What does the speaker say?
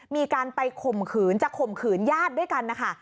มีการไปข่มขืนจะข่มขืนญาติด้วยกันนะคะ